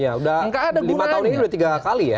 ya udah lima tahun ini udah tiga kali ya